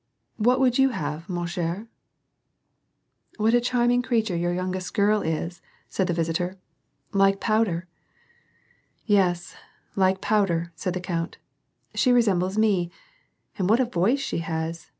What would you have, wa ck^re ?"" What a charming creature your youngest girl is !" said the visitor. " Like powder !"" Yes, like powder," said the count. " She resembles me ! And what a voice she has